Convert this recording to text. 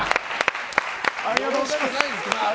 ありがとうございます！